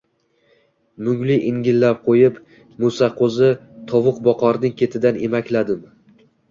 Mungli ingillab qo‘yib, Mo‘saqo‘zi tovuqboqarning ketidan emakladim